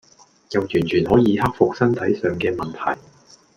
又完全可以克服身體上嘅問題